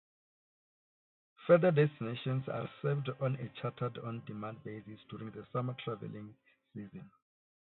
Further destinations are served on a chartered on-demand basis during the summer travelling season.